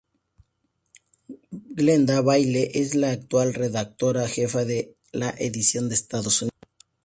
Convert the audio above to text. Glenda Bailey es la actual redactora jefe de la edición de Estados Unidos.